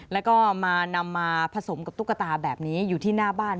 แล้วก็มานำมาผสมกับตุ๊กตาแบบนี้อยู่ที่หน้าบ้าน